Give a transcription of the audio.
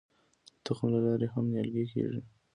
د تخم له لارې هم نیالګي کیږي.